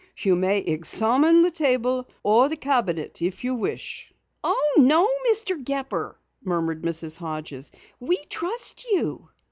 "You may examine the table or the cabinet if you wish." "Oh, no, Mr. Gepper," murmured Mrs. Hodges. "We trust you."